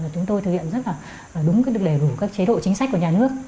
chúng tôi thực hiện rất là đúng được lời rủ các chế độ chính sách của nhà nước